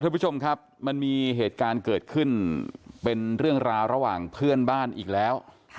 คุณผู้ชมครับมันมีเหตุการณ์เกิดขึ้นเป็นเรื่องราวระหว่างเพื่อนบ้านอีกแล้ว